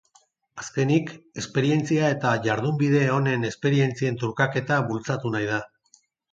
Azkenik, esperientzia eta jardunbide onen esperientzien trukaketa bultzatu nahi da.